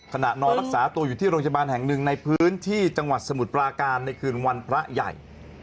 นอนรักษาตัวอยู่ที่โรงพยาบาลแห่งหนึ่งในพื้นที่จังหวัดสมุทรปราการในคืนวันพระใหญ่